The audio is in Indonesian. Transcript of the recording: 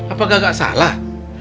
apakah gak salah